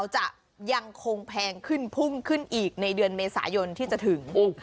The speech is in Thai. จะยังคงแพงขึ้นพุ่งขึ้นอีกในเดือนเมษายนที่จะถึง